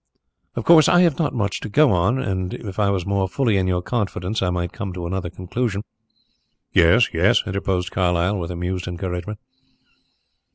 "Of course I have not much to go on, and if I was more fully in your confidence I might come to another conclusion " "Yes, yes," interposed Carlyle, with amused encouragement.